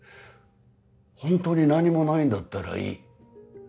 本当に何もないんだったらいい。